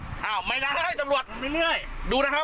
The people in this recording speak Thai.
พี่เมาไว้เนี่ยโอ้ใครเมาผมไม่ได้เมาผมไม่ได้เมา